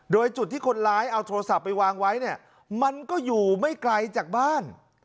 โดยจุดที่คนร้ายเอาโทรศัพท์ไปวางไว้เนี่ยมันก็อยู่ไม่ไกลจากบ้าน